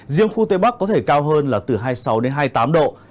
riêng khu tây bắc có thể cao hơn là từ hai mươi sáu đến hai mươi tám độ